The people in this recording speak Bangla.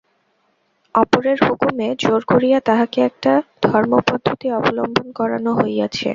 অপরের হুকুমে জোর করিয়া তাহাকে একটা ধর্মপদ্ধতি অবলম্বন করানো হইয়াছে।